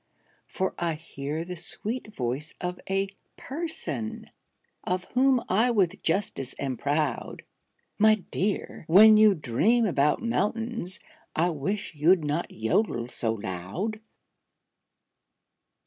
For I hear the sweet voice of a "person" Of whom I with justice am proud, "_My dear, when you dream about mountains, I wish you'd not jodel so loud!